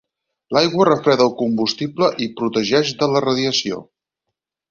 L'aigua refreda el combustible i protegeix de la radiació.